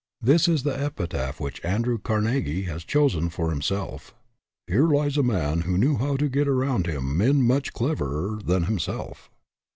This is the epitaph which Andrew Carnegie has chosen for himself :" Here lies a man who knew how to get around him men much cleverer than himself."